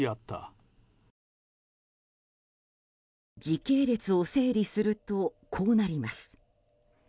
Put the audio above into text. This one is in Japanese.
時系列を整理するとこうなります。